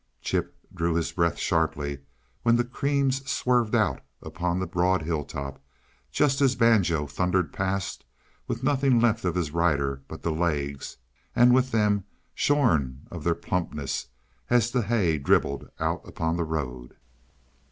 Chip drew his breath sharply when the creams swerved out upon the broad hilltop, just as Banjo thundered past with nothing left of his rider but the legs, and with them shorn of their plumpness as the hay dribbled out upon the road.